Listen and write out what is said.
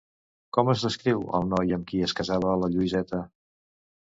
Com es descriu el noi amb qui es casava la Lluïseta?